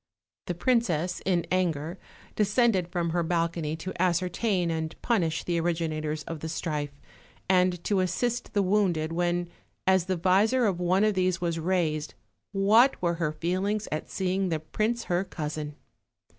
The princess in anger descended from her balcony to ascertain and punish the originators of the strife, and to assist the wounded, when, as the visor of one of these was raised, what were her feelings at see ing the prince her cousin!